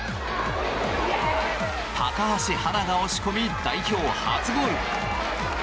高橋はなが押し込み代表初ゴール。